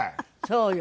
そうよ。